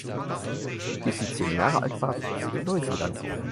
Bis sie zehn Jahre alt war, wuchs sie in Neuseeland auf.